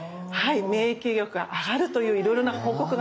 免疫力が上がるといういろいろな報告があります。